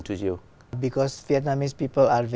tôi không biết đúng không